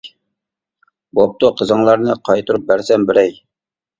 بوپتۇ، قىزىڭلارنى قايتۇرۇپ بەرسەم بېرەي.